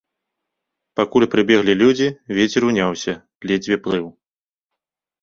Пакуль прыбеглі людзі, вецер уняўся, ледзьве плыў.